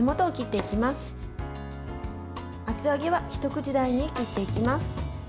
厚揚げは一口大に切っていきます。